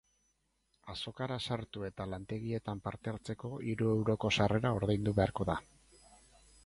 Azokara sartu eta lantegietan parte hartzeko hiru euroko sarrera ordaindu beharko da.